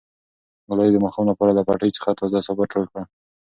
ګلالۍ د ماښام لپاره له پټي څخه تازه سابه ټول کړل.